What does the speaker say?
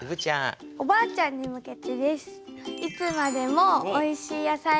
おばあちゃんに向けてです。